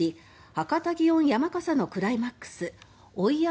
博多祇園山笠のクライマックス追い山